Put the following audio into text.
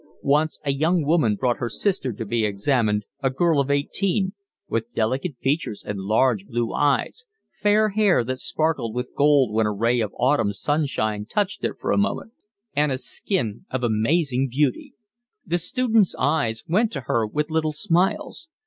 Once a young woman brought her sister to be examined, a girl of eighteen, with delicate features and large blue eyes, fair hair that sparkled with gold when a ray of autumn sunshine touched it for a moment, and a skin of amazing beauty. The students' eyes went to her with little smiles.